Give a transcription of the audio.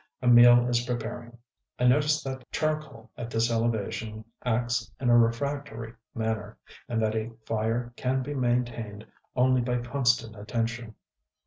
A meal is preparing; I notice that charcoal at this elevation acts in a refractory manner, and that a fire can be maintained only by constant attention....